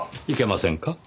いけませんか？